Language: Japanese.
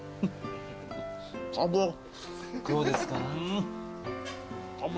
・どうですか？